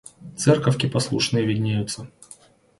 Церковки послушные виднеются.